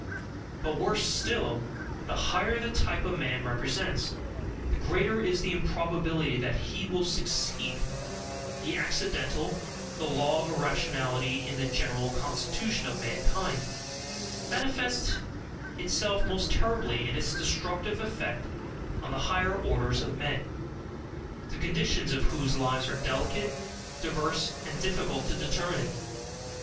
But worse still. The higher the type a man represents, the greater is the improbability that he will SUCCEED; the accidental, the law of irrationality in the general constitution of mankind, manifests itself most terribly in its destructive effect on the higher orders of men, the conditions of whose lives are delicate, diverse, and difficult to determine.